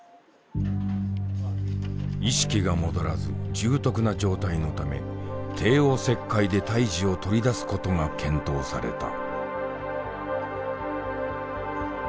意識が戻らず重篤な状態のため帝王切開で胎児を取り出すことが検討された。